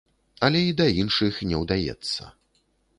Але і да іншых не ўдаецца.